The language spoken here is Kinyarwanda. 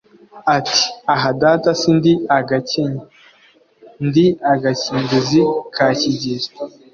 Ati: aha data si ndi agakenya, ndi agakinduzi ka Kigeli